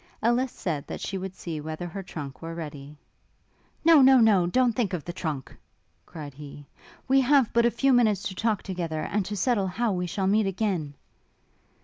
Ellis said that she would see whether her trunk were ready. 'No, no, no! don't think of the trunk,' cried he: 'We have but a few minutes to talk together, and to settle how we shall meet again.'